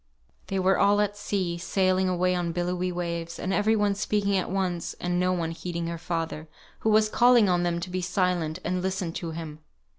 They were all at sea, sailing away on billowy waves, and every one speaking at once, and no one heeding her father, who was calling on them to be silent, and listen to him.